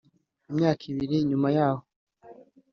Imyaka ibiri nyuma yaho